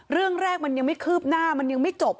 เรื่องแรกมันยังไม่คืบหน้ามันยังไม่จบ